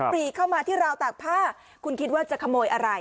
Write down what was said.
ปรีเข้ามาที่ราวตากผ้าคุณคิดว่าจะขโมยอะไร